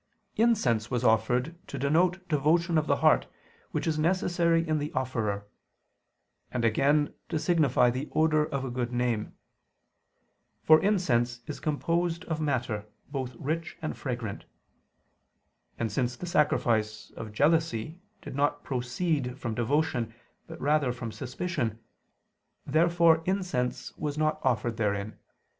Incense was offered to denote devotion of the heart, which is necessary in the offerer; and again, to signify the odor of a good name: for incense is composed of matter, both rich and fragrant. And since the sacrifice "of jealousy" did not proceed from devotion, but rather from suspicion, therefore incense was not offered therein (Num. 5:15). ________________________ FOURTH ARTICLE [I II, Q.